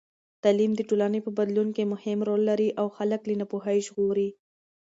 تعلیم د ټولنې په بدلون کې مهم رول لري او خلک له ناپوهۍ ژغوري.